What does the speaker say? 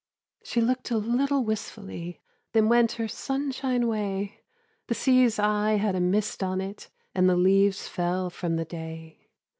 She looked a little wistfully, Then went her sunshine way: The sea's eye had a mist on it, And the leaves fell from the day.